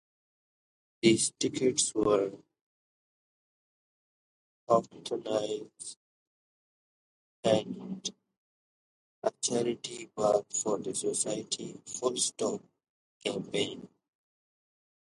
These tickets were auctioned at a charity ball for the society's "Full Stop" campaign.